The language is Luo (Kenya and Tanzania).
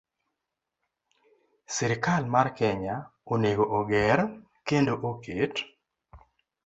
Sirkal mar Kenya onego oger kendo oket